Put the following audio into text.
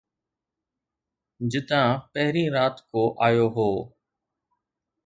جتان پھرين رات ڪو آيو ھو